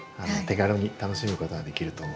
手軽に楽しむことができると思います。